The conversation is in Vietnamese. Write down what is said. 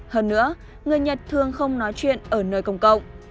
hơn nữa người nhật thường không nói chuyện ở nơi công cộng